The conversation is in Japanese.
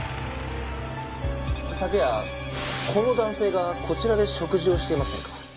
昨夜この男性がこちらで食事をしていませんか？